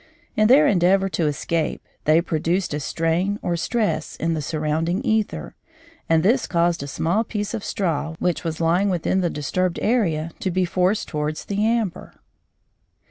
In their endeavour to escape they produced a strain or stress in the surrounding æther, and this caused a small piece of straw, which was lying within the disturbed area, to be forced towards the amber.